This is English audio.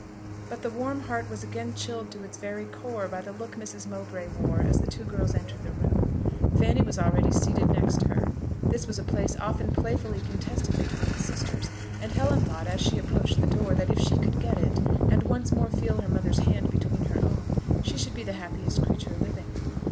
But the warm heart was again chilled to its very core by the look Mrs. Mowbray wore as the two girls entered the room. Fanny was already seated next her. This was a place often playfully contested between the sisters, and Helen thought, as she approached the door, that if she could get it, and once more feel her mother's hand between her own, she should be the happiest creature living.